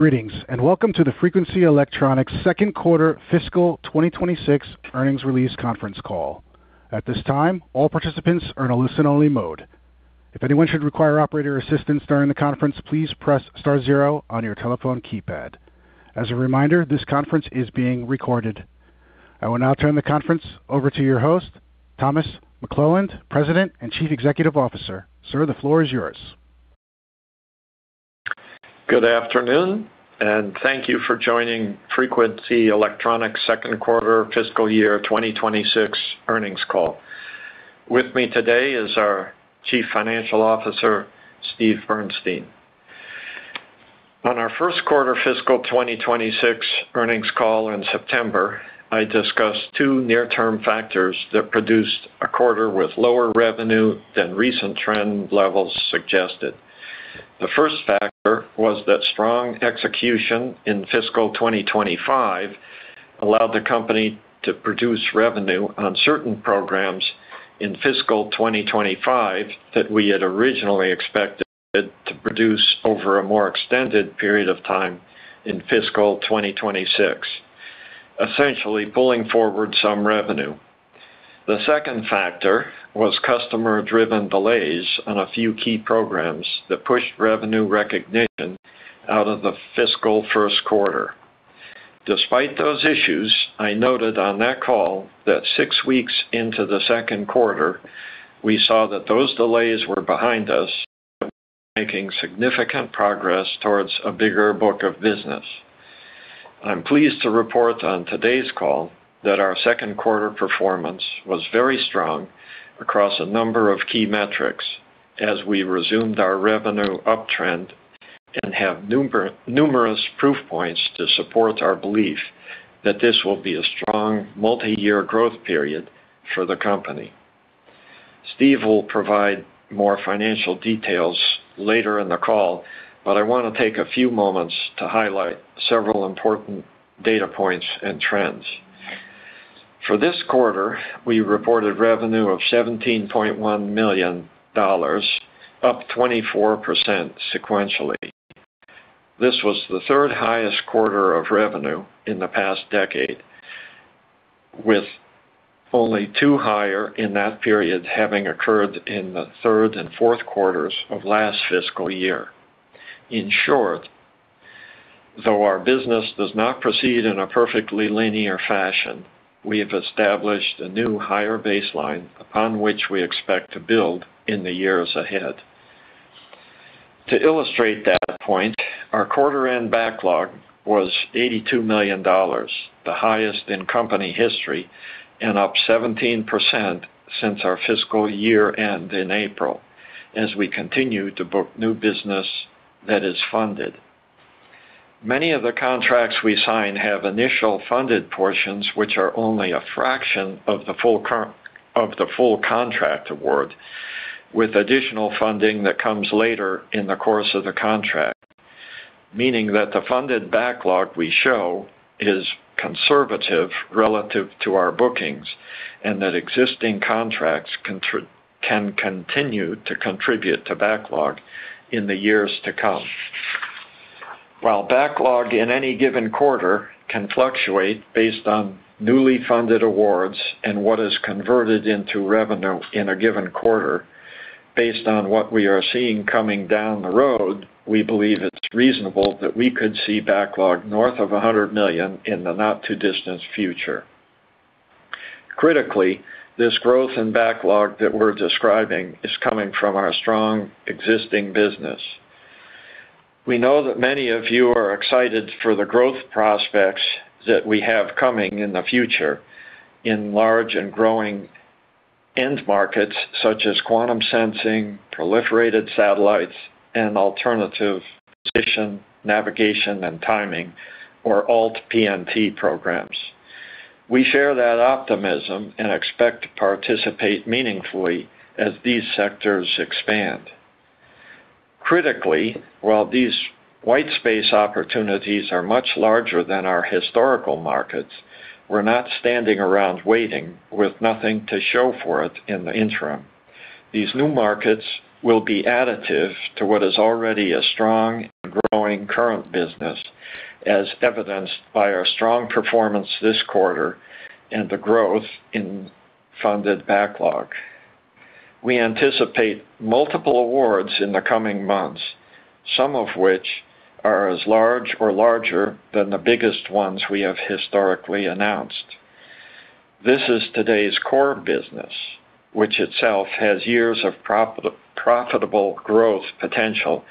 Greetings, and welcome to the Frequency Electronics Second Quarter Fiscal 2026 Earnings Release Conference Call. At this time, all participants are in a listen-only mode. If anyone should require operator assistance during the conference, please press star zero on your telephone keypad. As a reminder, this conference is being recorded. I will now turn the conference over to your host, Thomas McClelland, President and Chief Executive Officer. Sir, the floor is yours. Good afternoon, and thank you for joining Frequency Electronics second quarter fiscal year 2026 earnings call. With me today is our Chief Financial Officer, Steve Bernstein. On our first quarter fiscal 2026 earnings call in September, I discussed two near-term factors that produced a quarter with lower revenue than recent trend levels suggested. The first factor was that strong execution in fiscal 2025 allowed the company to produce revenue on certain programs in fiscal 2025 that we had originally expected to produce over a more extended period of time in fiscal 2026, essentially pulling forward some revenue. The second factor was customer-driven delays on a few key programs that pushed revenue recognition out of the fiscal first quarter. Despite those issues, I noted on that call that six weeks into the second quarter, we saw that those delays were behind us, making significant progress towards a bigger book of business. I'm pleased to report on today's call that our second quarter performance was very strong across a number of key metrics as we resumed our revenue uptrend and have numerous proof points to support our belief that this will be a strong multi-year growth period for the company. Steve will provide more financial details later in the call, but I want to take a few moments to highlight several important data points and trends. For this quarter, we reported revenue of $17.1 million, up 24% sequentially. This was the third highest quarter of revenue in the past decade, with only two higher in that period having occurred in the third and fourth quarters of last fiscal year. In short, though our business does not proceed in a perfectly linear fashion, we have established a new higher baseline upon which we expect to build in the years ahead. To illustrate that point, our quarter-end backlog was $82 million, the highest in company history and up 17% since our fiscal year end in April, as we continue to book new business that is funded. Many of the contracts we sign have initial funded portions which are only a fraction of the full contract award, with additional funding that comes later in the course of the contract, meaning that the funded backlog we show is conservative relative to our bookings and that existing contracts can continue to contribute to backlog in the years to come. While backlog in any given quarter can fluctuate based on newly funded awards and what is converted into revenue in a given quarter, based on what we are seeing coming down the road, we believe it's reasonable that we could see backlog north of $100 million in the not-too-distant future. Critically, this growth in backlog that we're describing is coming from our strong existing business. We know that many of you are excited for the growth prospects that we have coming in the future in large and growing end markets such as quantum sensing, proliferated satellites, and alternative position navigation and timing, or ALT-PNT programs. We share that optimism and expect to participate meaningfully as these sectors expand. Critically, while these white space opportunities are much larger than our historical markets, we're not standing around waiting with nothing to show for it in the interim. These new markets will be additive to what is already a strong and growing current business, as evidenced by our strong performance this quarter and the growth in funded backlog. We anticipate multiple awards in the coming months, some of which are as large or larger than the biggest ones we have historically announced. This is today's core business, which itself has years of profitable growth potential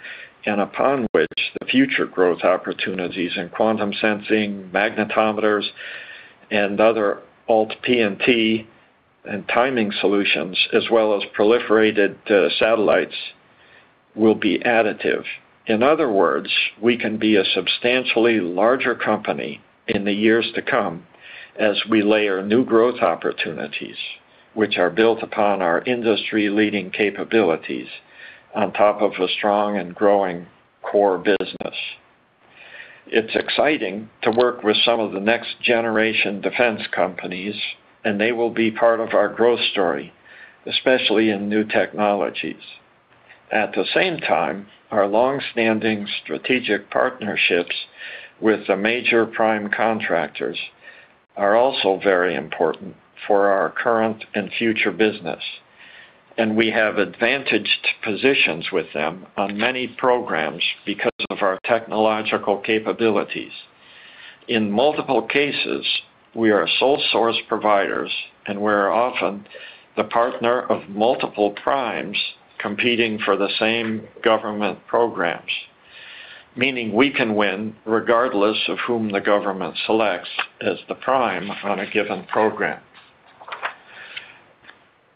and upon which the future growth opportunities in quantum sensing, magnetometers, and other ALT-PNT and timing solutions, as well as proliferated satellites, will be additive. In other words, we can be a substantially larger company in the years to come as we layer new growth opportunities, which are built upon our industry-leading capabilities on top of a strong and growing core business. It's exciting to work with some of the next-generation defense companies, and they will be part of our growth story, especially in new technologies. At the same time, our long-standing strategic partnerships with the major prime contractors are also very important for our current and future business, and we have advantaged positions with them on many programs because of our technological capabilities. In multiple cases, we are sole source providers, and we're often the partner of multiple primes competing for the same government programs, meaning we can win regardless of whom the government selects as the prime on a given program.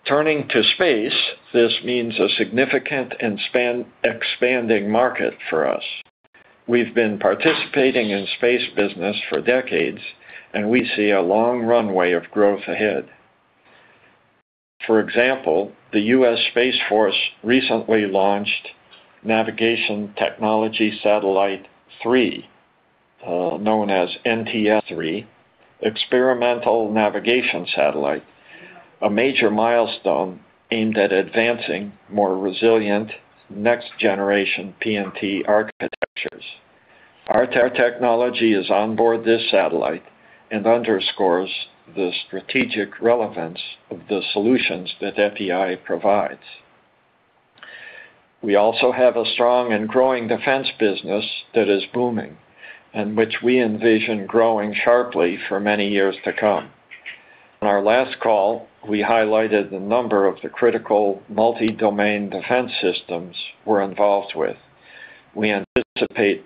Turning to space, this means a significant and expanding market for us. We've been participating in space business for decades, and we see a long runway of growth ahead. For example, the U.S. Space Force recently launched Navigation Technology Satellite 3, known as NTS-3, an experimental navigation satellite, a major milestone aimed at advancing more resilient next-generation PNT architectures. Our technology is onboard this satellite and underscores the strategic relevance of the solutions that FEI provides. We also have a strong and growing defense business that is booming and which we envision growing sharply for many years to come. On our last call, we highlighted the number of the critical multi-domain defense systems we're involved with. We anticipate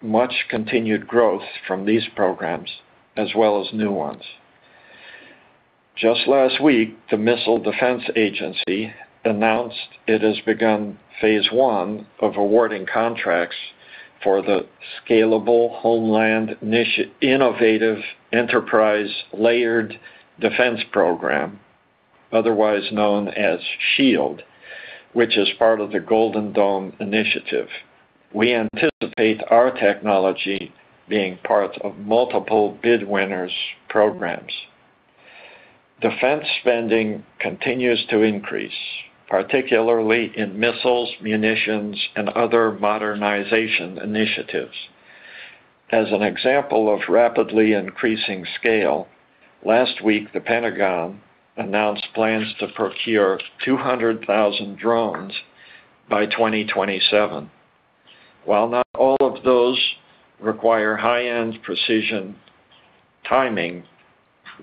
much continued growth from these programs, as well as new ones. Just last week, the Missile Defense Agency announced it has begun phase one of awarding contracts for the Scalable Homeland Innovative Enterprise Layered Defense Program, otherwise known as SHIELD, which is part of the Golden Dome Initiative. We anticipate our technology being part of multiple bid winners' programs. Defense spending continues to increase, particularly in missiles, munitions, and other modernization initiatives. As an example of rapidly increasing scale, last week, the Pentagon announced plans to procure 200,000 drones by 2027. While not all of those require high-end precision timing,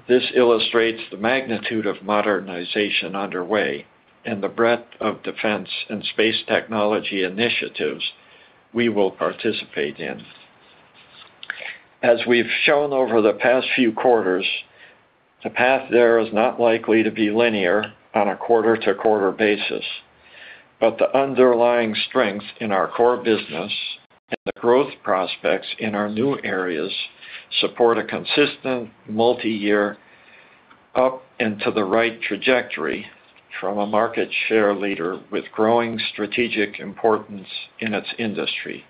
this illustrates the magnitude of modernization underway and the breadth of defense and space technology initiatives we will participate in. As we've shown over the past few quarters, the path there is not likely to be linear on a quarter-to-quarter basis, but the underlying strength in our core business and the growth prospects in our new areas support a consistent multi-year up and to the right trajectory from a market share leader with growing strategic importance in its industry.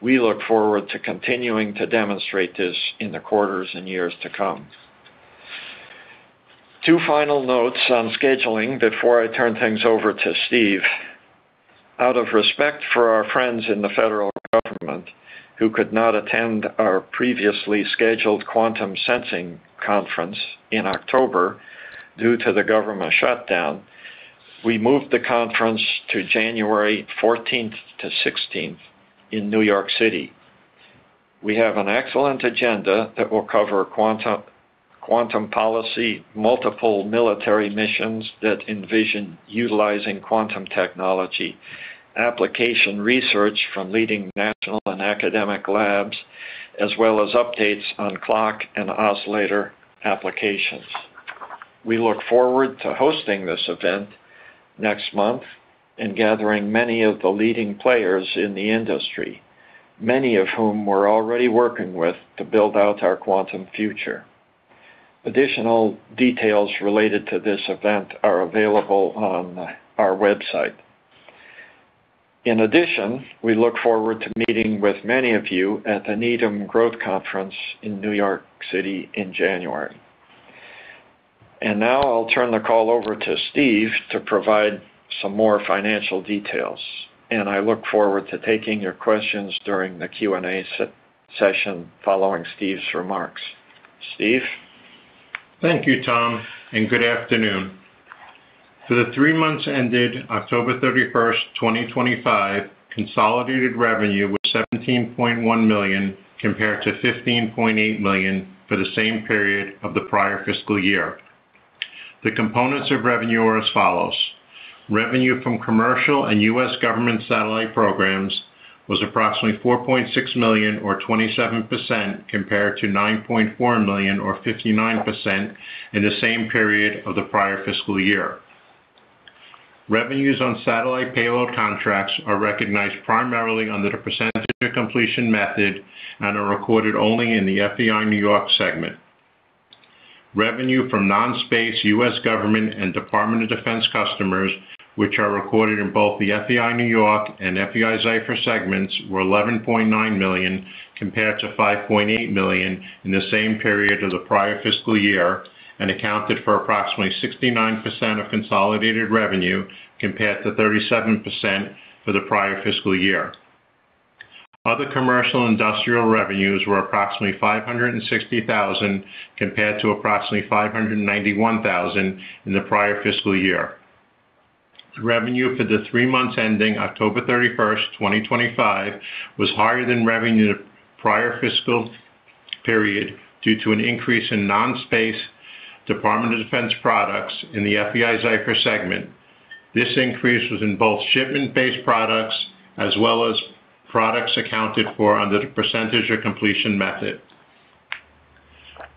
We look forward to continuing to demonstrate this in the quarters and years to come. Two final notes on scheduling before I turn things over to Steve. Out of respect for our friends in the federal government who could not attend our previously scheduled quantum sensing conference in October due to the government shutdown, we moved the conference to January 14th-16th in New York City. We have an excellent agenda that will cover quantum policy, multiple military missions that envision utilizing quantum technology, application research from leading national and academic labs, as well as updates on clock and oscillator applications. We look forward to hosting this event next month and gathering many of the leading players in the industry, many of whom we're already working with to build out our quantum future. Additional details related to this event are available on our website. In addition, we look forward to meeting with many of you at the Needham Growth Conference in New York City in January. And now I'll turn the call over to Steve to provide some more financial details, and I look forward to taking your questions during the Q&A session following Steve's remarks. Steve? Thank you, Tom, and good afternoon. For the three months ended October 31st, 2025, consolidated revenue was $17.1 million compared to $15.8 million for the same period of the prior fiscal year. The components of revenue are as follows. Revenue from commercial and U.S. government satellite programs was approximately $4.6 million, or 27%, compared to $9.4 million, or 59%, in the same period of the prior fiscal year. Revenues on satellite payload contracts are recognized primarily under the percentage of completion method and are recorded only in the FEI New York segment. Revenue from non-space U.S. government and Department of Defense customers, which are recorded in both the FEI New York and FEI-Zyfer segments, were $11.9 million compared to $5.8 million in the same period of the prior fiscal year and accounted for approximately 69% of consolidated revenue compared to 37% for the prior fiscal year. Other commercial industrial revenues were approximately $560,000 compared to approximately $591,000 in the prior fiscal year. Revenue for the three months ending October 31st, 2025, was higher than revenue in the prior fiscal period due to an increase in non-space Department of Defense products in the FEI-Zyfer segment. This increase was in both shipment-based products as well as products accounted for under the percentage of completion method.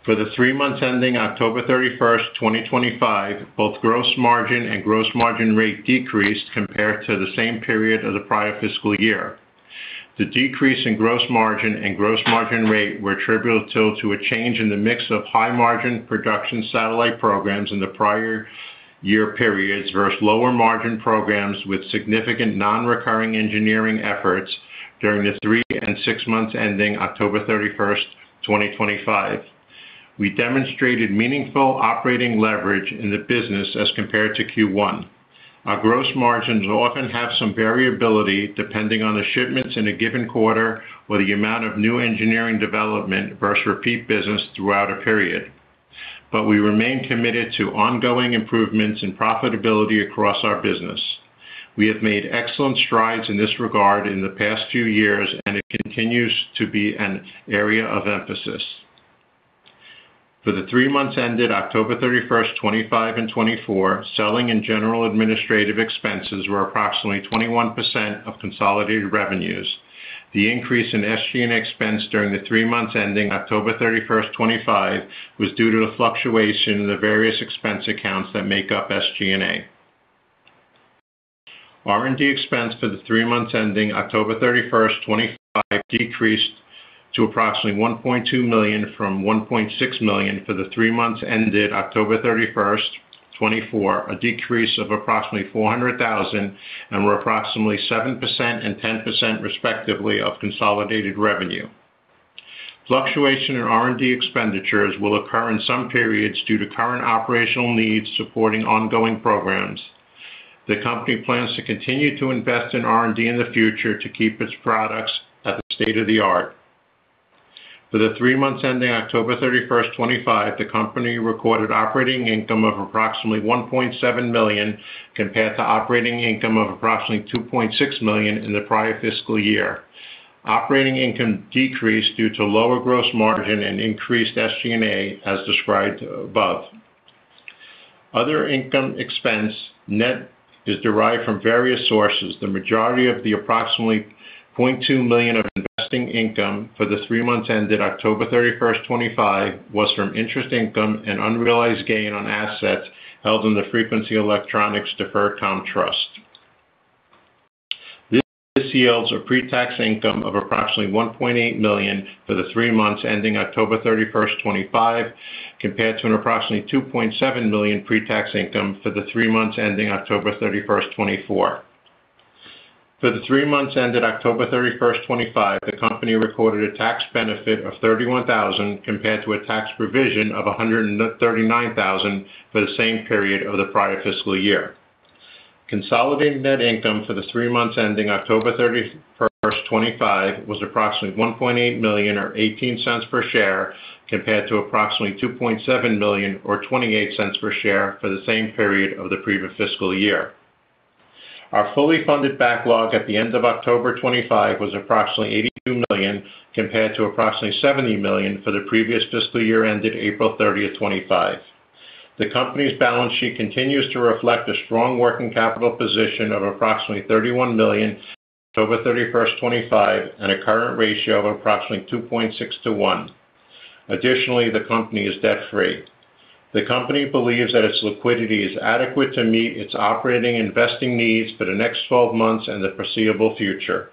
For the three months ending October 31st, 2025, both gross margin and gross margin rate decreased compared to the same period of the prior fiscal year. The decrease in gross margin and gross margin rate were attributable to a change in the mix of high-margin production satellite programs in the prior year periods versus lower-margin programs with significant non-recurring engineering efforts during the three and six months ending October 31st, 2025. We demonstrated meaningful operating leverage in the business as compared to Q1. Our gross margins often have some variability depending on the shipments in a given quarter or the amount of new engineering development versus repeat business throughout a period, but we remain committed to ongoing improvements in profitability across our business. We have made excellent strides in this regard in the past few years, and it continues to be an area of emphasis. For the three months ended October 31st, 2025 and 2024, selling and general administrative expenses were approximately 21% of consolidated revenues. The increase in SG&A expense during the three months ending October 31st, 2025 was due to the fluctuation in the various expense accounts that make up SG&A. R&D expense for the three months ending October 31st, 2025 decreased to approximately $1.2 million from $1.6 million for the three months ended October 31st, 2024, a decrease of approximately $400,000 and were approximately 7% and 10%, respectively, of consolidated revenue. Fluctuation in R&D expenditures will occur in some periods due to current operational needs supporting ongoing programs. The company plans to continue to invest in R&D in the future to keep its products at the state of the art. For the three months ending October 31st, 2025, the company recorded operating income of approximately $1.7 million compared to operating income of approximately $2.6 million in the prior fiscal year. Operating income decreased due to lower gross margin and increased SG&A, as described above. Other income expense net is derived from various sources. The majority of the approximately $0.2 million of investing income for the three months ended October 31st, 2025, was from interest income and unrealized gain on assets held in the Frequency Electronics Deferred Compensation Trust. This yields a pre-tax income of approximately $1.8 million for the three months ending October 31st, 2025, compared to an approximately $2.7 million pre-tax income for the three months ending October 31st, 2024. For the three months ended October 31st, 2025, the company recorded a tax benefit of $31,000 compared to a tax provision of $139,000 for the same period of the prior fiscal year. Consolidated net income for the three months ending October 31st, 2025, was approximately $1.8 million, or $0.18 per share, compared to approximately $2.7 million, or $0.28 per share for the same period of the previous fiscal year. Our fully funded backlog at the end of October 2025 was approximately $82 million compared to approximately $70 million for the previous fiscal year ended April 30th, 2025. The company's balance sheet continues to reflect a strong working capital position of approximately $31 million, October 31st, 2025, and a current ratio of approximately 2.6-1. Additionally, the company is debt-free. The company believes that its liquidity is adequate to meet its operating investing needs for the next 12 months and the foreseeable future.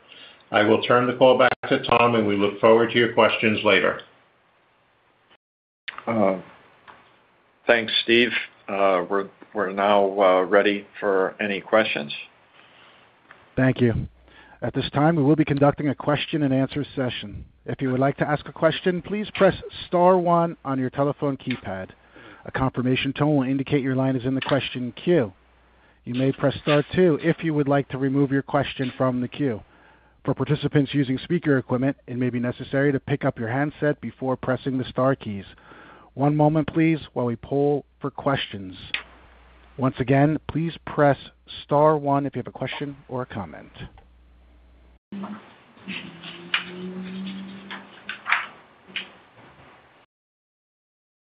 I will turn the call back to Tom, and we look forward to your questions later. Thanks, Steve. We're now ready for any questions. Thank you. At this time, we will be conducting a question-and-answer session. If you would like to ask a question, please press star one on your telephone keypad. A confirmation tone will indicate your line is in the question queue. You may press star two if you would like to remove your question from the queue. For participants using speaker equipment, it may be necessary to pick up your handset before pressing the Star keys. One moment, please, while we pull for questions. Once again, please press star one if you have a question or a comment.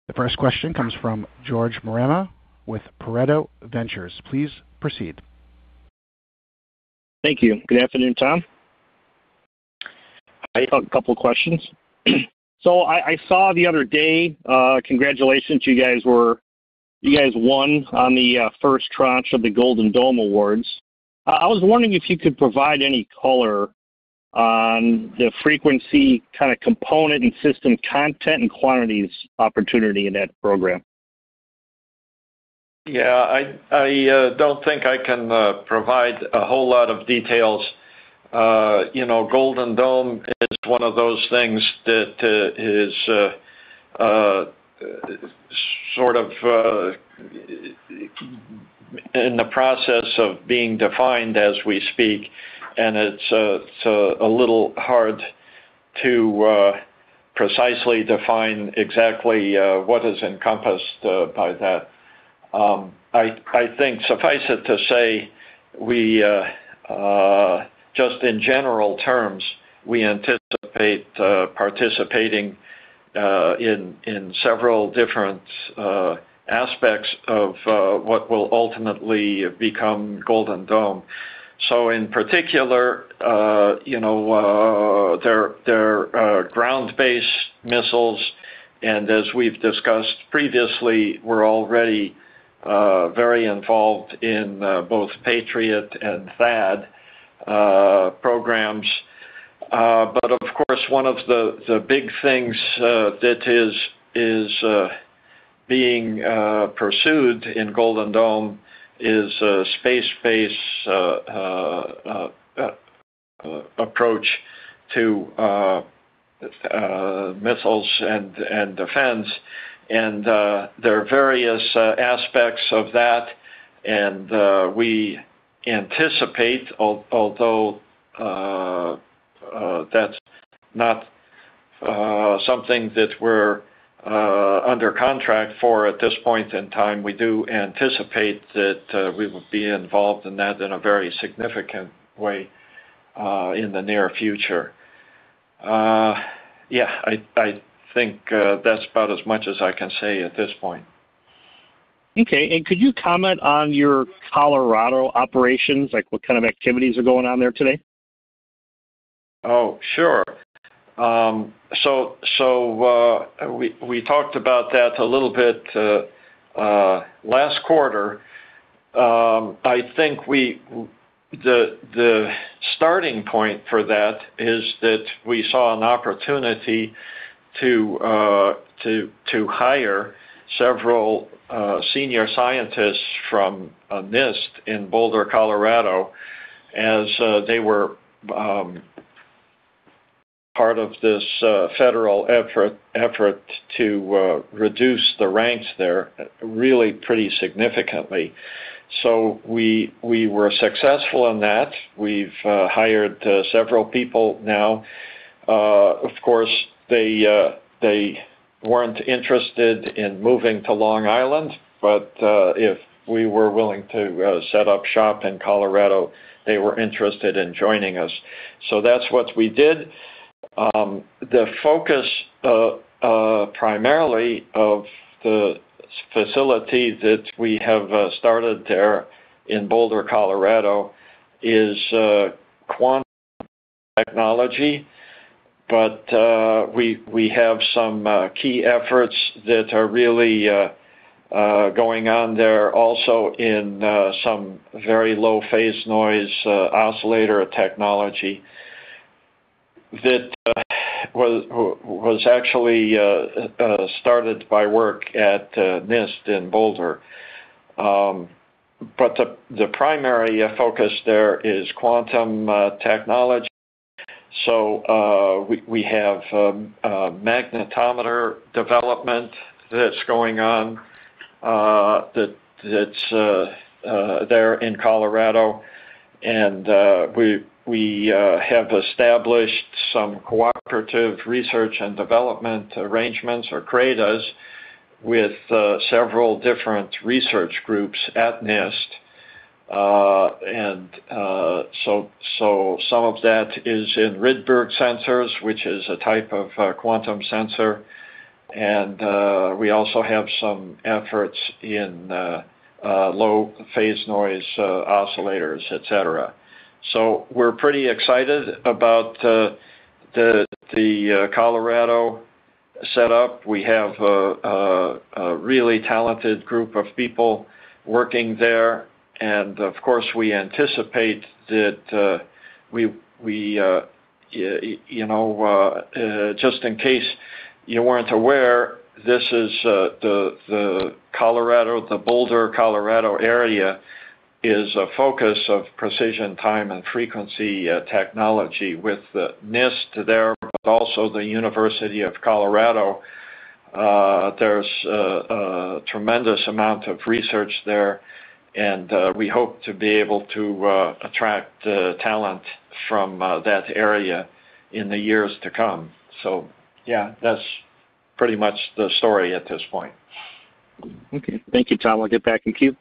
The first question comes from George Marema with Pareto Ventures. Please proceed. Thank you. Good afternoon, Tom. I have a couple of questions. So, I saw the other day, congratulations, you guys won on the first tranche of the Golden Dome Awards. I was wondering if you could provide any color on the frequency kind of component and system content and quantities opportunity in that program. Yeah, I don't think I can provide a whole lot of details. Golden Dome is one of those things that is sort of in the process of being defined as we speak, and it's a little hard to precisely define exactly what is encompassed by that. I think suffice it to say, just in general terms, we anticipate participating in several different aspects of what will ultimately become Golden Dome. In particular, they're ground-based missiles, and as we've discussed previously, we're already very involved in both Patriot and THAAD programs. But of course, one of the big things that is being pursued in Golden Dome is a space-based approach to missiles and defense, and there are various aspects of that, and we anticipate, although that's not something that we're under contract for at this point in time, we do anticipate that we will be involved in that in a very significant way in the near future. Yeah, I think that's about as much as I can say at this point. Okay, and could you comment on your Colorado operations, like what kind of activities are going on there today? Oh, sure. So we talked about that a little bit last quarter. I think the starting point for that is that we saw an opportunity to hire several senior scientists from NIST in Boulder, Colorado, as they were part of this federal effort to reduce the ranks there really pretty significantly. So we were successful in that. We've hired several people now. Of course, they weren't interested in moving to Long Island, but if we were willing to set up shop in Colorado, they were interested in joining us. So that's what we did. The focus primarily of the facility that we have started there in Boulder, Colorado, is quantum technology, but we have some key efforts that are really going on there also in some very low-phase noise oscillator technology that was actually started by work at NIST in Boulder. But the primary focus there is quantum technology. So we have magnetometer development that's going on that's there in Colorado, and we have established some cooperative research and development arrangements or CRADAs with several different research groups at NIST. And so some of that is in Rydberg sensors, which is a type of quantum sensor, and we also have some efforts in low-phase noise oscillators, etc. So we're pretty excited about the Colorado setup. We have a really talented group of people working there, and of course, we anticipate that. We just, in case you weren't aware, this is the Colorado, the Boulder, Colorado area is a focus of precision time and frequency technology with NIST there, but also the University of Colorado. There's a tremendous amount of research there, and we hope to be able to attract talent from that area in the years to come. So yeah, that's pretty much the story at this point. Okay. Thank you, Tom. I'll get back in queue.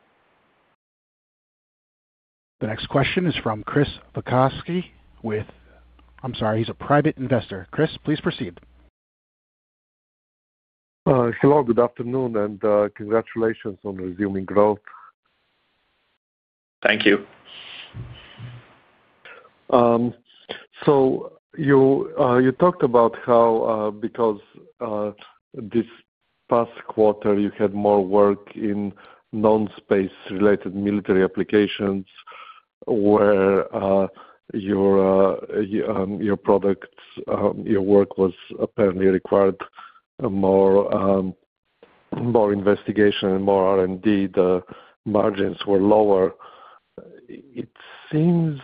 The next question is from Chris Vakovsky with, I'm sorry, he's a private investor. Chris, please proceed. Hello, good afternoon, and congratulations on resuming growth. Thank you. You talked about how, because this past quarter, you had more work in non-space-related military applications where your product, your work was apparently required more investigation and more R&D, the margins were lower. It seems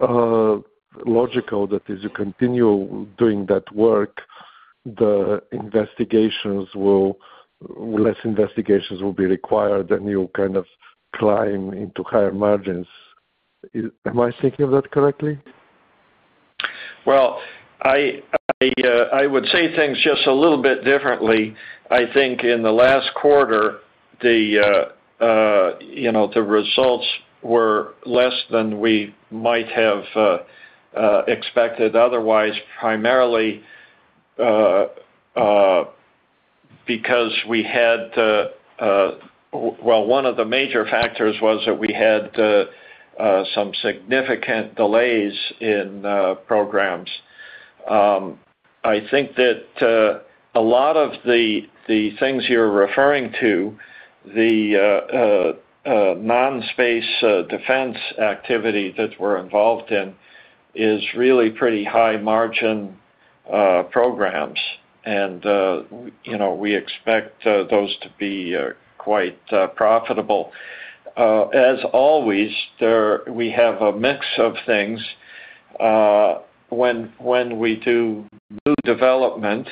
logical that as you continue doing that work, the investigations will, less investigations will be required, and you'll kind of climb into higher margins. Am I thinking of that correctly? I would say things just a little bit differently. I think in the last quarter, the results were less than we might have expected otherwise, primarily because we had, well, one of the major factors was that we had some significant delays in programs. I think that a lot of the things you're referring to, the non-space defense activity that we're involved in is really pretty high-margin programs, and we expect those to be quite profitable. As always, we have a mix of things. When we do new development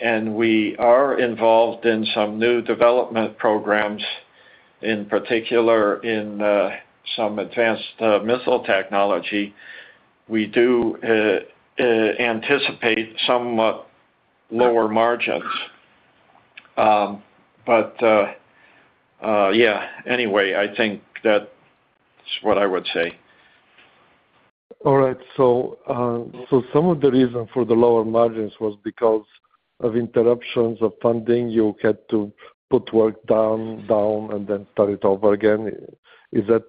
and we are involved in some new development programs, in particular in some advanced missile technology, we do anticipate somewhat lower margins. But yeah, anyway, I think that's what I would say. All right, so some of the reason for the lower margins was because of interruptions of funding. You had to put work down and then start it over again. Is that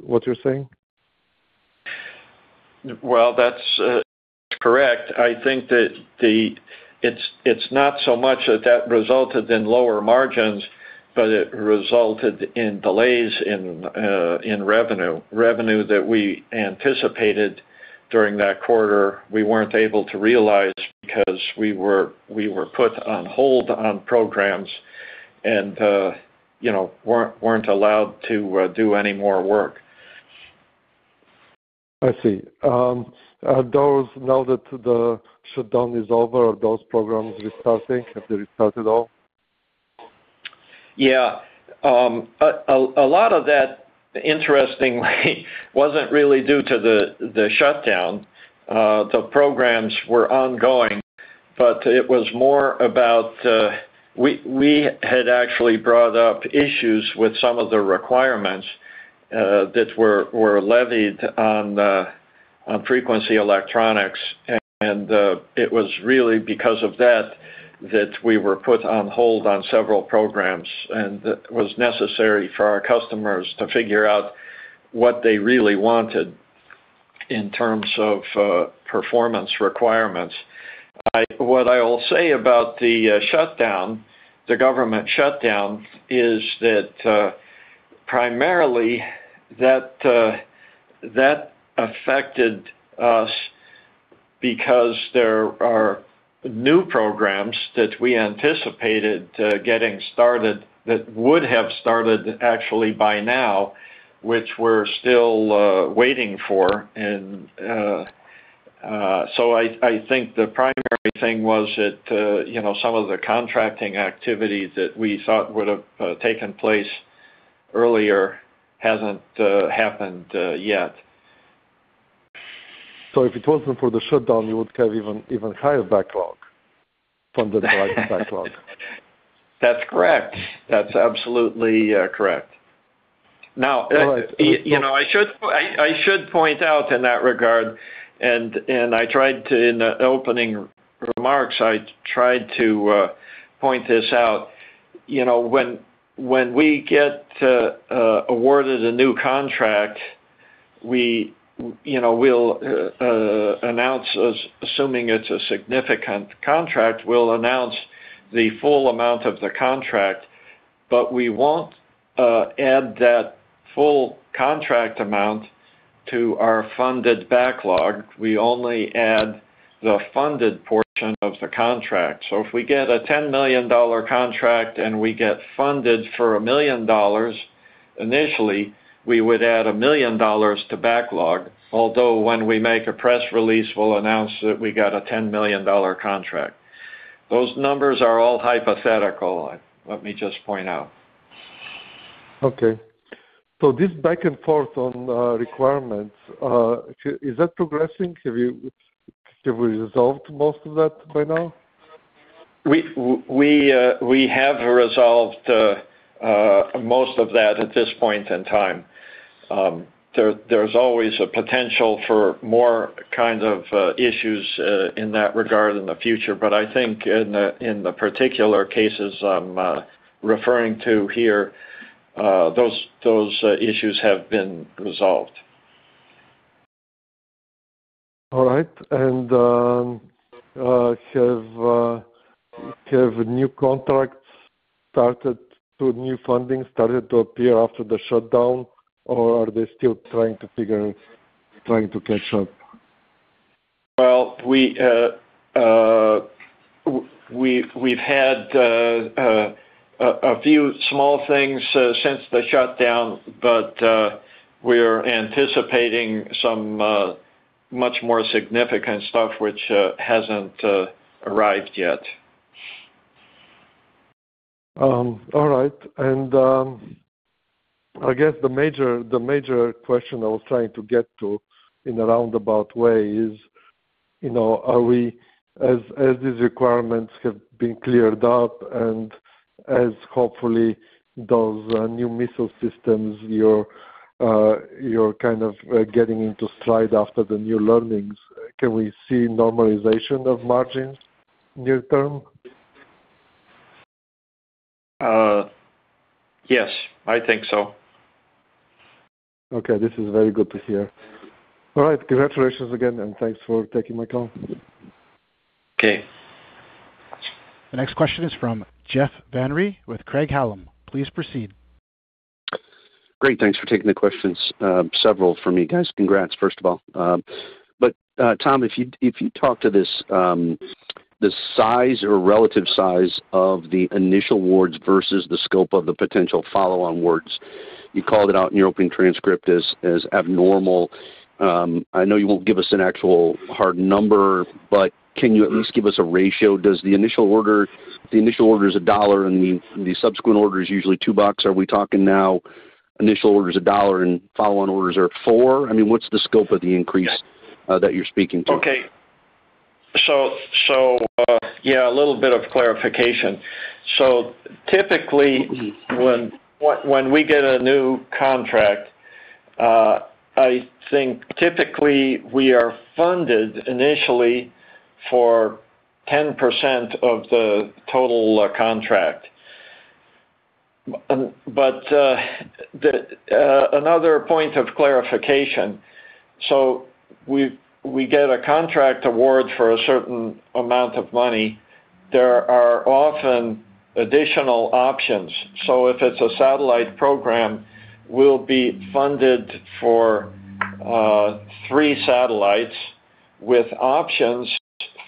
what you're saying? That's correct. I think that it's not so much that that resulted in lower margins, but it resulted in delays in revenue. Revenue that we anticipated during that quarter, we weren't able to realize because we were put on hold on programs and weren't allowed to do any more work. I see. Are those now that the shutdown is over, are those programs restarting? Have they restarted all? Yeah. A lot of that, interestingly, wasn't really due to the shutdown. The programs were ongoing, but it was more about we had actually brought up issues with some of the requirements that were levied on Frequency Electronics, and it was really because of that that we were put on hold on several programs, and it was necessary for our customers to figure out what they really wanted in terms of performance requirements. What I will say about the shutdown, the government shutdown, is that primarily that affected us because there are new programs that we anticipated getting started that would have started actually by now, which we're still waiting for. And so I think the primary thing was that some of the contracting activity that we thought would have taken place earlier hasn't happened yet. So if it wasn't for the shutdown, you would have even higher backlog, funded backlog. That's correct. That's absolutely correct. Now. All right. I should point out in that regard, and I tried to, in the opening remarks, I tried to point this out. When we get awarded a new contract, we will announce, assuming it's a significant contract, we'll announce the full amount of the contract, but we won't add that full contract amount to our Funded Backlog. We only add the funded portion of the contract. So if we get a $10 million contract and we get funded for $1 million initially, we would add $1 million to backlog, although when we make a press release, we'll announce that we got a $10 million contract. Those numbers are all hypothetical. Let me just point out. Okay. So this back and forth on requirements, is that progressing? Have we resolved most of that by now? We have resolved most of that at this point in time. There's always a potential for more kind of issues in that regard in the future, but I think in the particular cases I'm referring to here, those issues have been resolved. All right. And have new contracts started, new funding started to appear after the shutdown, or are they still trying to figure, trying to catch up? We've had a few small things since the shutdown, but we're anticipating some much more significant stuff which hasn't arrived yet. All right. And I guess the major question I was trying to get to in a roundabout way is, as these requirements have been cleared up and as hopefully those new missile systems you're kind of getting into stride after the new learnings, can we see normalization of margins near term? Yes, I think so. Okay. This is very good to hear. All right. Congratulations again, and thanks for taking my call. Okay. The next question is from Jeff Van Rhee with Craig-Hallum. Please proceed. Great. Thanks for taking the questions. Several from you guys. Congrats, first of all. But Tom, if you talk to this, the size or relative size of the initial awards versus the scope of the potential follow-on awards, you called it out in your opening transcript as abnormal. I know you won't give us an actual hard number, but can you at least give us a ratio? Does the initial order is a dollar and the subsequent order is usually two bucks? Are we talking now initial order is a dollar and follow-on orders are four? I mean, what's the scope of the increase that you're speaking to? Okay. So yeah, a little bit of clarification. So typically when we get a new contract, I think typically we are funded initially for 10% of the total contract. But another point of clarification, so we get a contract award for a certain amount of money, there are often additional options. So if it's a satellite program, we'll be funded for three satellites with options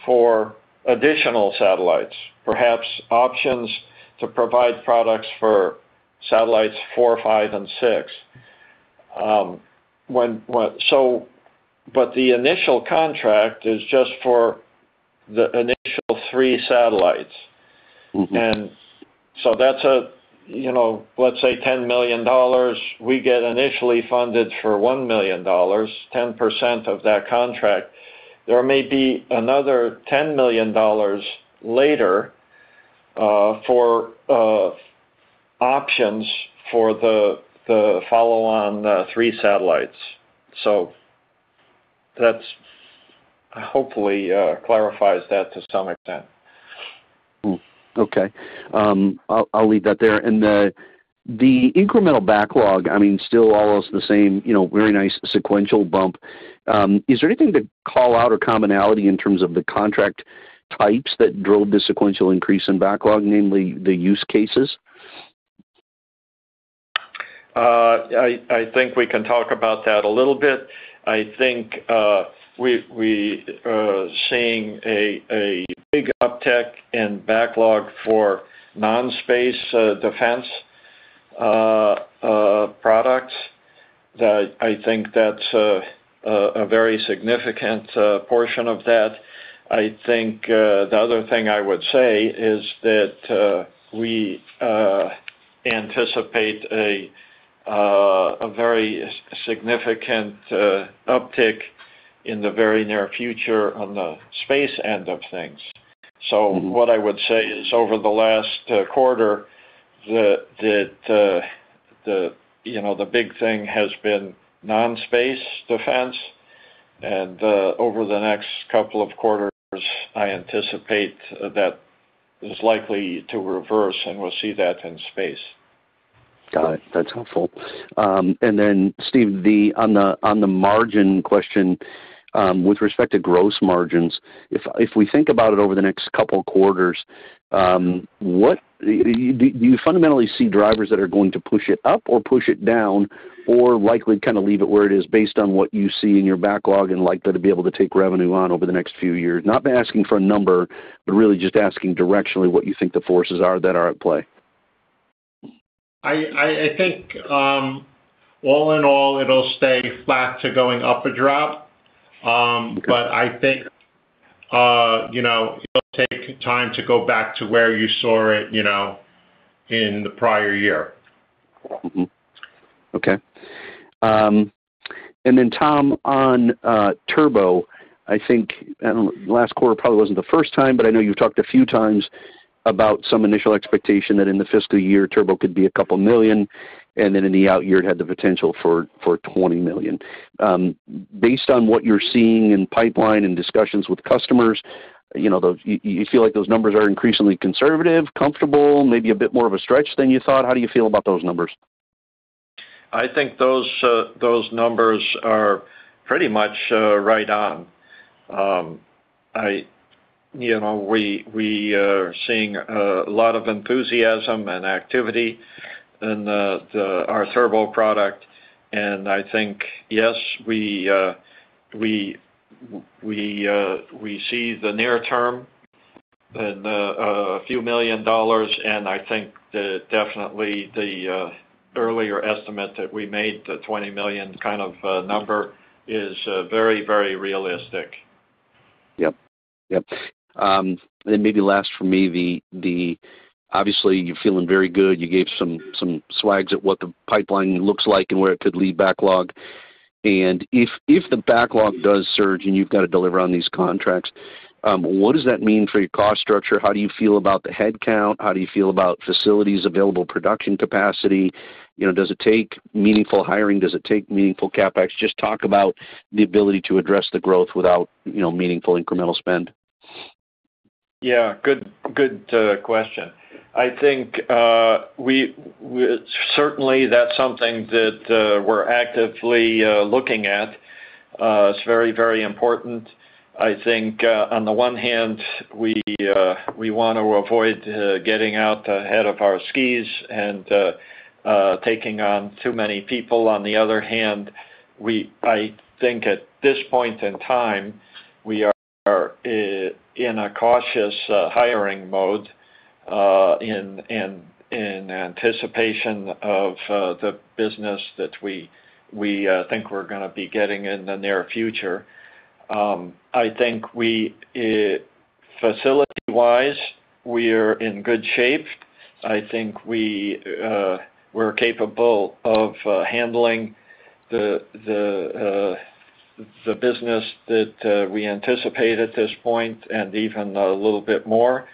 for additional satellites, perhaps options to provide products for satellites four, five, and six. But the initial contract is just for the initial three satellites. And so that's a, let's say, $10 million. We get initially funded for $1 million, 10% of that contract. There may be another $10 million later for options for the follow-on three satellites. So that hopefully clarifies that to some extent. Okay. I'll leave that there, and the incremental backlog, I mean, still almost the same, very nice sequential bump. Is there anything to call out or commonality in terms of the contract types that drove the sequential increase in backlog, namely the use cases? I think we can talk about that a little bit. I think we are seeing a big uptick in backlog for non-space defense products. I think that's a very significant portion of that. I think the other thing I would say is that we anticipate a very significant uptick in the very near future on the space end of things. So what I would say is over the last quarter that the big thing has been non-space defense, and over the next couple of quarters, I anticipate that is likely to reverse and we'll see that in space. Got it. That's helpful. And then, Steve, on the margin question, with respect to gross margins, if we think about it over the next couple of quarters, do you fundamentally see drivers that are going to push it up or push it down or likely kind of leave it where it is based on what you see in your backlog and likely to be able to take revenue on over the next few years? Not asking for a number, but really just asking directionally what you think the forces are that are at play. I think all in all, it'll stay flat to going up or drop, but I think it'll take time to go back to where you saw it in the prior year. Okay, and then, Tom, on TURbO, I think the last quarter probably wasn't the first time, but I know you've talked a few times about some initial expectation that in the fiscal year, TURbO could be a couple of million, and then in the out year, it had the potential for $20 million. Based on what you're seeing in pipeline and discussions with customers, you feel like those numbers are increasingly conservative, comfortable, maybe a bit more of a stretch than you thought? How do you feel about those numbers? I think those numbers are pretty much right on. We are seeing a lot of enthusiasm and activity in our TURbO product, and I think, yes, we see the near term and a few million dollars, and I think definitely the earlier estimate that we made, the $20 million kind of number, is very, very realistic. Yep. Yep. And then maybe last for me, obviously, you're feeling very good. You gave some swags at what the pipeline looks like and where it could lead to backlog. And if the backlog does surge and you've got to deliver on these contracts, what does that mean for your cost structure? How do you feel about the headcount? How do you feel about facilities, available production capacity? Does it take meaningful hiring? Does it take meaningful CapEx? Just talk about the ability to address the growth without meaningful incremental spend. Yeah. Good question. I think certainly that's something that we're actively looking at. It's very, very important. I think on the one hand, we want to avoid getting out ahead of our skis and taking on too many people. On the other hand, I think at this point in time, we are in a cautious hiring mode in anticipation of the business that we think we're going to be getting in the near future. I think facility-wise, we are in good shape. I think we're capable of handling the business that we anticipate at this point and even a little bit more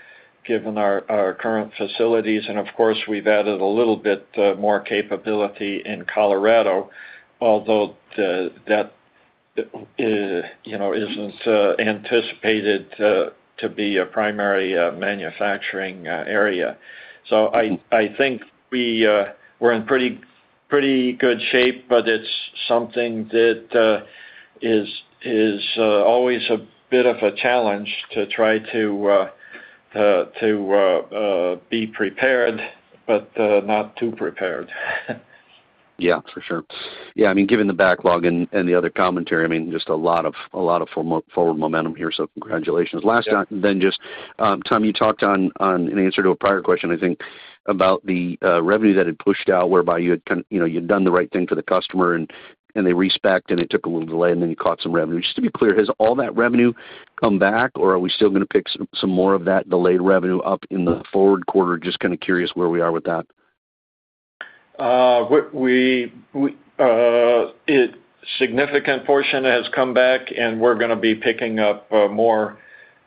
given our current facilities, and of course, we've added a little bit more capability in Colorado, although that isn't anticipated to be a primary manufacturing area. So I think we're in pretty good shape, but it's something that is always a bit of a challenge to try to be prepared, but not too prepared. Yeah, for sure. Yeah. I mean, given the backlog and the other commentary, I mean, just a lot of forward momentum here, so congratulations. Last then just, Tom, you talked on an answer to a prior question, I think, about the revenue that had pushed out whereby you had done the right thing for the customer and they respect and it took a little delay and then you caught some revenue. Just to be clear, has all that revenue come back or are we still going to pick some more of that delayed revenue up in the forward quarter? Just kind of curious where we are with that. A significant portion has come back and we're going to be picking up more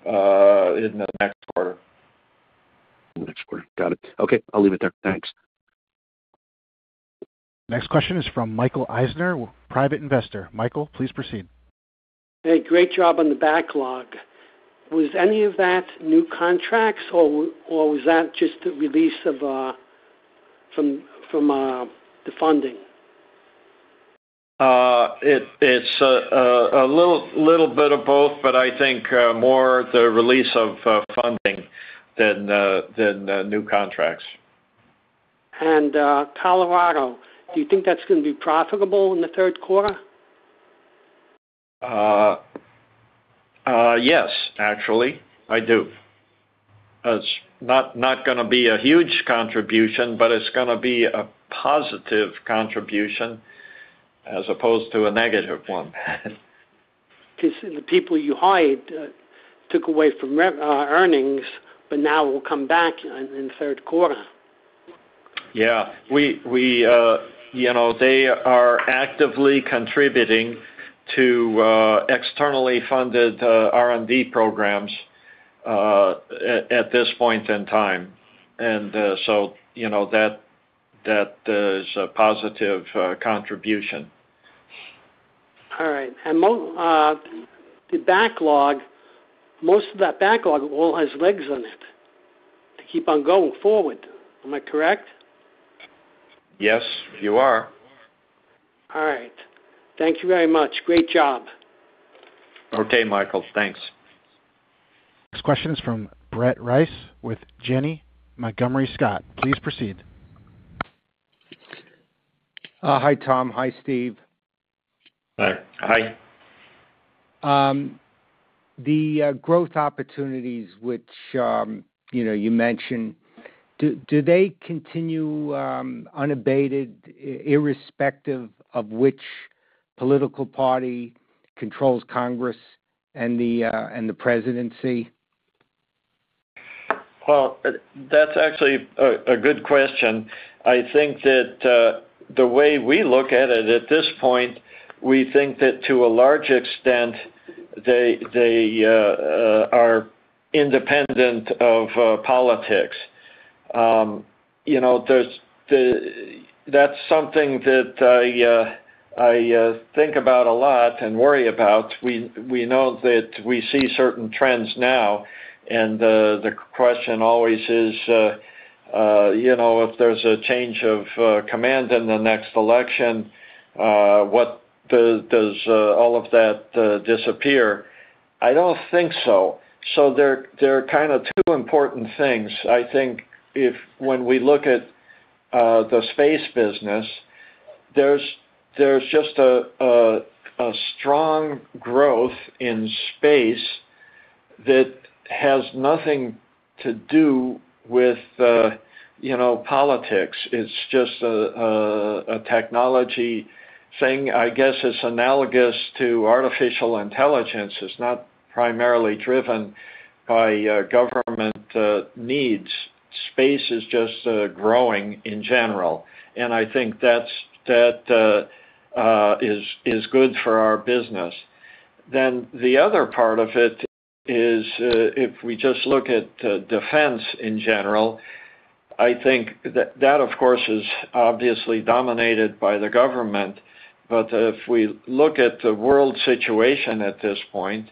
in the next quarter. In the next quarter. Got it. Okay. I'll leave it there. Thanks. Next question is from Michael Eisner, private investor. Michael, please proceed. Hey, great job on the backlog. Was any of that new contracts or was that just the release from the funding? It's a little bit of both, but I think more the release of funding than new contracts. Colorado, do you think that's going to be profitable in the third quarter? Yes, actually. I do. It's not going to be a huge contribution, but it's going to be a positive contribution as opposed to a negative one. The people you hired took away from earnings, but now will come back in the third quarter. Yeah. They are actively contributing to externally funded R&D programs at this point in time, and so that is a positive contribution. All right, and the backlog, most of that backlog all has legs on it to keep on going forward. Am I correct? Yes, you are. All right. Thank you very much. Great job. Okay, Michael. Thanks. Next question is from Brett Reiss with Janney Montgomery Scott. Please proceed. Hi, Tom. Hi, Steve. Hi. The growth opportunities which you mentioned, do they continue unabated, irrespective of which political party controls Congress and the presidency? That's actually a good question. I think that the way we look at it at this point, we think that to a large extent, they are independent of politics. That's something that I think about a lot and worry about. We know that we see certain trends now, and the question always is if there's a change of command in the next election, what does all of that disappear? I don't think so. So they're kind of two important things. I think when we look at the space business, there's just a strong growth in space that has nothing to do with politics. It's just a technology thing. I guess it's analogous to artificial intelligence. It's not primarily driven by government needs. Space is just growing in general. And I think that is good for our business. Then the other part of it is if we just look at defense in general, I think that, of course, is obviously dominated by the government. But if we look at the world situation at this point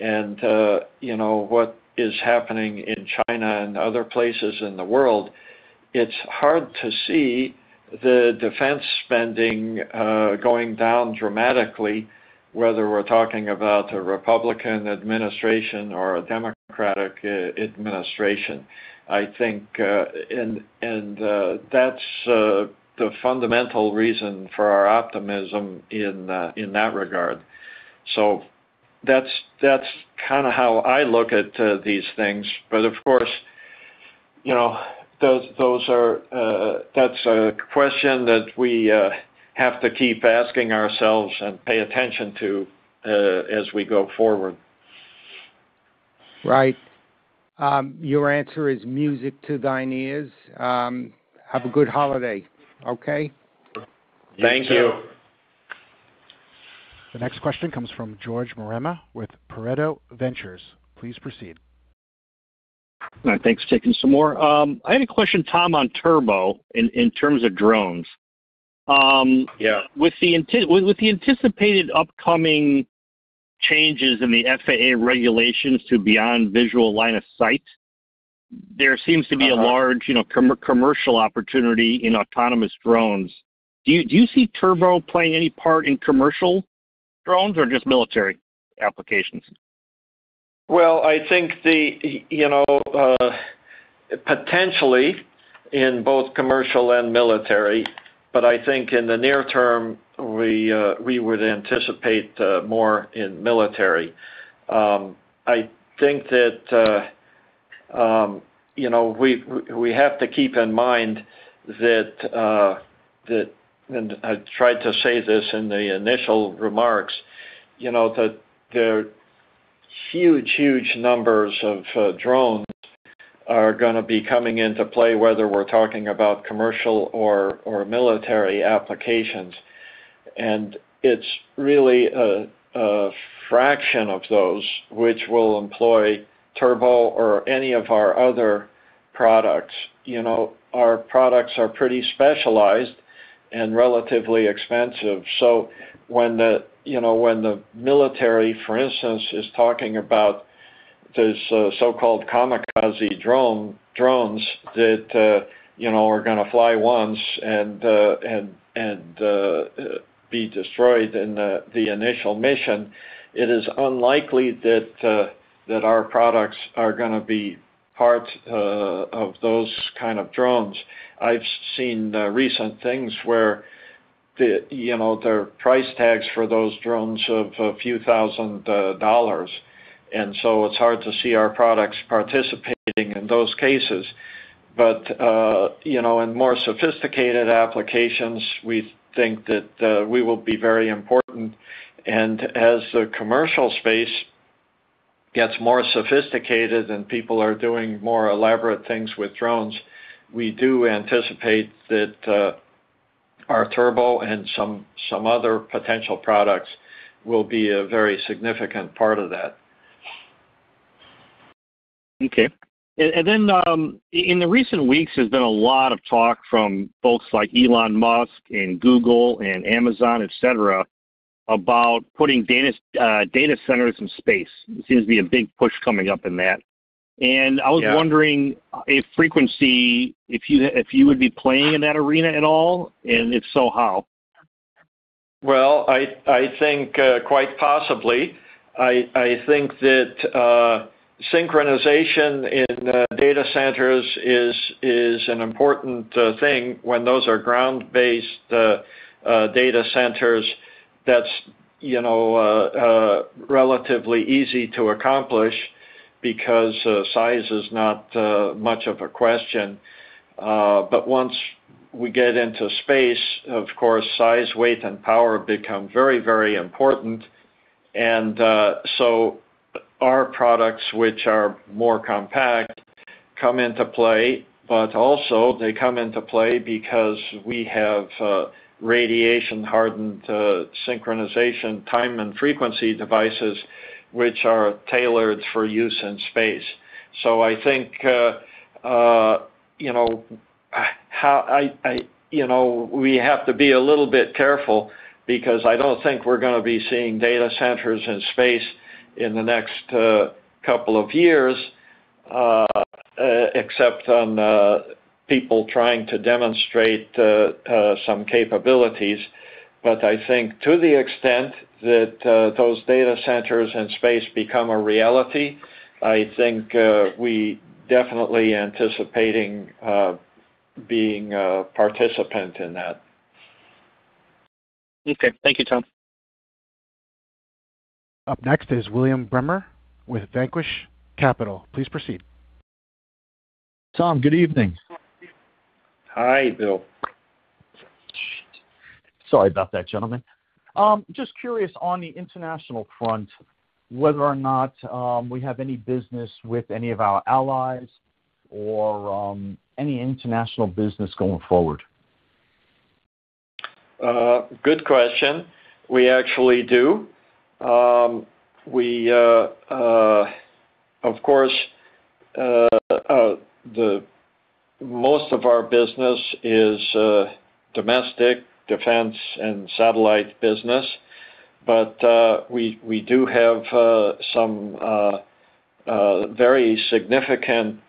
and what is happening in China and other places in the world, it's hard to see the defense spending going down dramatically, whether we're talking about a Republican administration or a Democratic administration. I think, and that's the fundamental reason for our optimism in that regard. So that's kind of how I look at these things. But of course, that's a question that we have to keep asking ourselves and pay attention to as we go forward. Right. Your answer is music to my ears. Have a good holiday. Okay? Thank you. The next question comes from George Marema with Pareto Ventures. Please proceed. Thanks for taking some more. I had a question, Tom, on TURbO in terms of drones. With the anticipated upcoming changes in the FAA regulations to beyond visual line of sight, there seems to be a large commercial opportunity in autonomous drones. Do you see TURbO playing any part in commercial drones or just military applications? I think potentially in both commercial and military, but I think in the near term, we would anticipate more in military. I think that we have to keep in mind that, and I tried to say this in the initial remarks, that there are huge, huge numbers of drones that are going to be coming into play, whether we're talking about commercial or military applications. It's really a fraction of those which will employ TURbO or any of our other products. Our products are pretty specialized and relatively expensive. When the military, for instance, is talking about these so-called kamikaze drones that are going to fly once and be destroyed in the initial mission, it is unlikely that our products are going to be part of those kind of drones. I've seen recent things where the price tags for those drones are $a few thousand. And so it's hard to see our products participating in those cases. But in more sophisticated applications, we think that we will be very important. And as the commercial space gets more sophisticated and people are doing more elaborate things with drones, we do anticipate that our TURbO and some other potential products will be a very significant part of that. Okay. And then in the recent weeks, there's been a lot of talk from folks like Elon Musk and Google and Amazon, etc., about putting data centers in space. It seems to be a big push coming up in that. And I was wondering if Frequency, if you would be playing in that arena at all, and if so, how? I think quite possibly. I think that synchronization in data centers is an important thing when those are ground-based data centers. That's relatively easy to accomplish because size is not much of a question. But once we get into space, of course, size, weight, and power become very, very important. And so our products, which are more compact, come into play. But also, they come into play because we have radiation-hardened synchronization time and frequency devices which are tailored for use in space. So I think we have to be a little bit careful because I don't think we're going to be seeing data centers in space in the next couple of years, except on people trying to demonstrate some capabilities. But I think to the extent that those data centers in space become a reality, I think we definitely are anticipating being a participant in that. Okay. Thank you, Tom. Up next is William Bremer with Vanquish Capital. Please proceed. Tom, Good evening. Hi, Will. Sorry about that, gentlemen. Just curious on the international front, whether or not we have any business with any of our allies or any international business going forward? Good question. We actually do. Of course, most of our business is domestic defense and satellite business. But we do have some very significant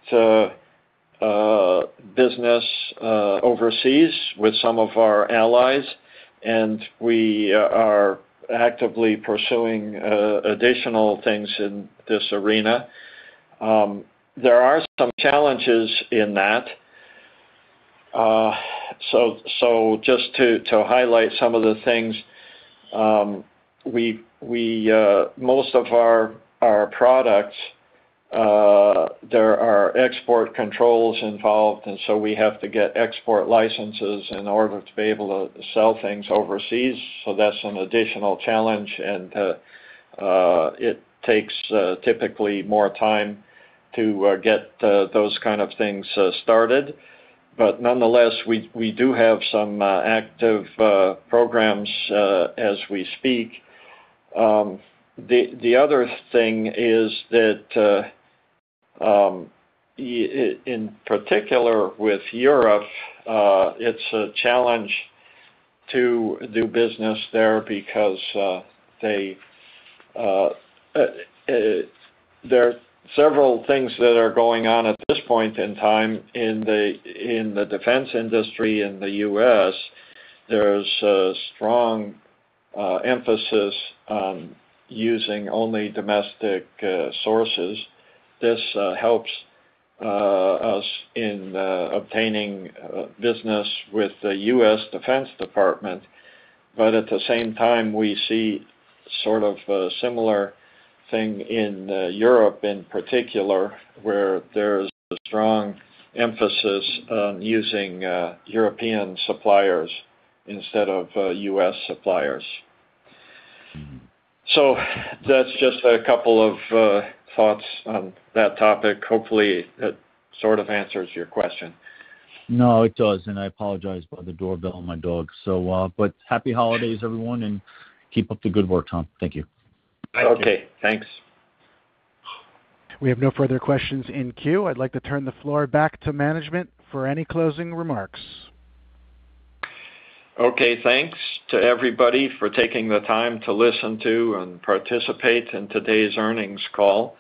business overseas with some of our allies. And we are actively pursuing additional things in this arena. There are some challenges in that. So just to highlight some of the things, most of our products, there are export controls involved. And so we have to get export licenses in order to be able to sell things overseas. So that's an additional challenge. And it takes typically more time to get those kind of things started. But nonetheless, we do have some active programs as we speak. The other thing is that in particular with Europe, it's a challenge to do business there because there are several things that are going on at this point in time. In the defense industry in the U.S., there's a strong emphasis on using only domestic sources. This helps us in obtaining business with the U.S. Defense Department. But at the same time, we see sort of a similar thing in Europe in particular, where there's a strong emphasis on using European suppliers instead of U.S. suppliers. So that's just a couple of thoughts on that topic. Hopefully, that sort of answers your question. No, it does. And I apologize about the doorbell and my dog. But happy holidays, everyone, and keep up the good work, Tom. Thank you. Okay. Thanks. We have no further questions in queue. I'd like to turn the floor back to management for any closing remarks. Okay. Thanks to everybody for taking the time to listen to and participate in today's earnings call.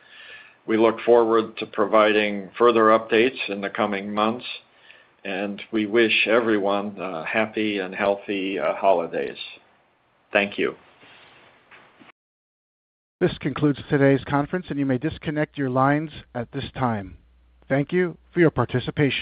We look forward to providing further updates in the coming months, and we wish everyone happy and healthy holidays. Thank you. This concludes today's conference, and you may disconnect your lines at this time. Thank you for your participation.